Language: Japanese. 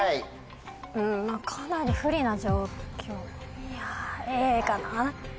かなり不利な状況いやぁ。